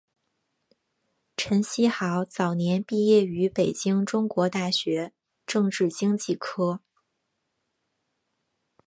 陈希豪早年毕业于北京中国大学政治经济科。